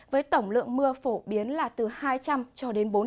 với tổng lượng mưa phổ biến là từ hai trăm linh cho đến bốn trăm linh